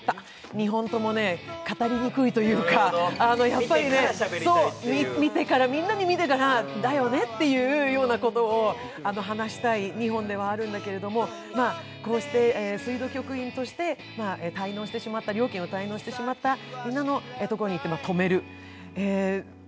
２本とも語りにくいというかみんな見てからだよねっていうことを話したい２本ではあるんだけれども、こうして水道局員として、料金を滞納してしまったところに行って止める。